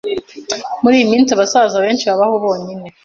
Muri iyi minsi abasaza benshi babaho bonyine.